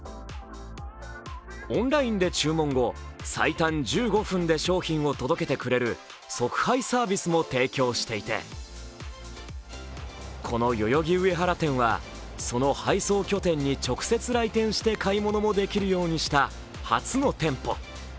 オンラインで注文後最短１５分で商品を届けてくれる即配サービスも提供していてこの代々木上原店はその配送拠点に直接来店して買い物もできるようにした初の店舗。